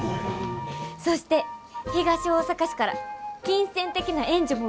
そして東大阪市から金銭的な援助も受けられるそうです！